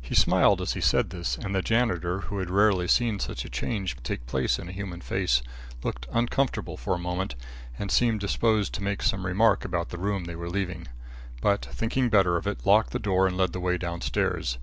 He smiled as he said this and the janitor who had rarely seen such a change take place in a human face, looked uncomfortable for a moment and seemed disposed to make some remark about the room they were leaving. But, thinking better of it, locked the door and led the way downstairs.